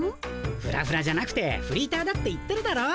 ふらふらじゃなくてフリーターだって言ってるだろ。